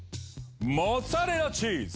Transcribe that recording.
モッツァレラチーズ！